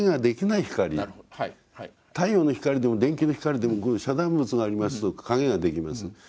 太陽の光でも電球の光でも遮断物がありますと影ができます。